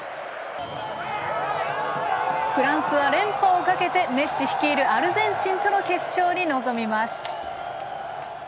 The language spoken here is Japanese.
フランスは連覇をかけてメッシ率いるアルゼンチンとの決勝に臨みます。